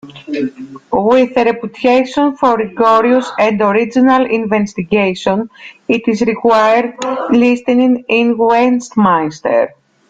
With a reputation for rigorous and original investigation, it is required listening in Westminster.